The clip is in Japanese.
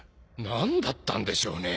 何だったんでしょうね。